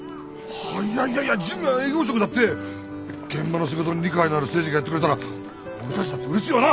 はあいやいやいや事務や営業職だって現場の仕事に理解のある誠治がやってくれたら俺たちだってうれしいよな。